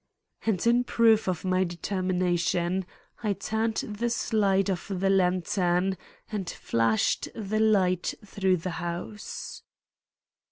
And in proof of my determination, I turned the slide of the lantern and flashed the light through the house.